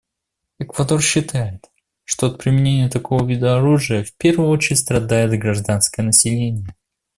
Эквадор считает, что от применения такого вида оружия в первую очередь страдает гражданское население.